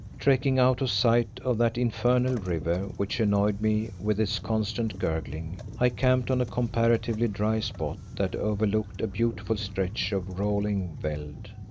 Trekking out of sight of that infernal river which annoyed me with its constant gurgling, I camped on a comparatively dry spot that overlooked a beautiful stretch of rolling veld.